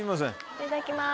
いただきます。